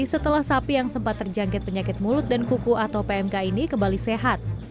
setelah sapi yang sempat terjangkit penyakit mulut dan kuku atau pmk ini kembali sehat